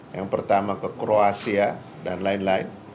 yang pertama ke kroasia dan lain lain